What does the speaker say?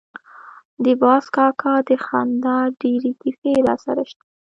د باز کاکا د خندا ډېرې کیسې راسره شته.